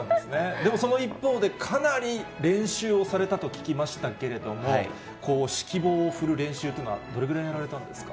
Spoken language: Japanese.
でもその一方で、かなり練習をされたと聞きましたけれども、指揮棒を振る練習というのは、どれぐらいやられたんですか？